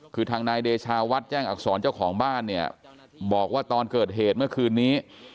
คือทางนายเดชาวัดแจ้งอักษรเจ้าของบ้านเนี่ยบอกว่าตอนเกิดเหตุเมื่อคืนนี้